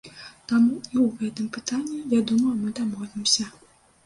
Таму і ў гэтым пытанні, я думаю, мы дамовімся.